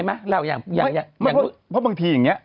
เพราะบางทีอย่างนี้